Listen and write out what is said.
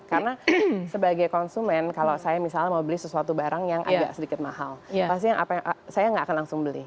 karena sebagai konsumen kalau saya misalnya mau beli sesuatu barang yang agak sedikit mahal pasti saya enggak akan langsung beli